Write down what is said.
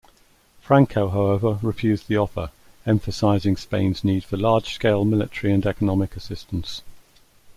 Franco however refused the offer, emphasizing Spain's need for large-scale military and economic assistance.